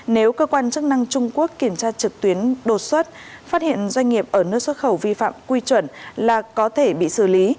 nếu cơ quan chức năng trung quốc kiểm tra trực tuyến đột xuất phát hiện doanh nghiệp ở nước xuất khẩu vi phạm quy chuẩn là có thể bị xử lý